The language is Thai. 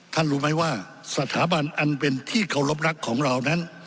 รู้ไหมว่าสถาบันอันเป็นที่เคารพรักของเรานั้น